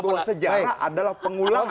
bahwa sejarah adalah pengulangan